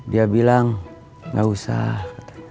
dia bilang gak usah